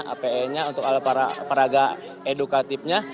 ape nya untuk alat peraga edukatifnya